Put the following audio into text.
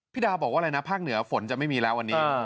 ดาวบอกว่าอะไรนะภาคเหนือฝนจะไม่มีแล้ววันนี้